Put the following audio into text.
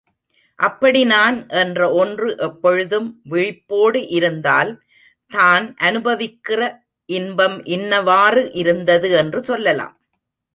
அப்படி நான் என்ற ஒன்று எப்பொழுதும் விழிப்போடு இருந்தால், தான் அநுபவிக்கிற இன்பம் இன்னவாறு இருந்தது என்று சொல்லலாம்.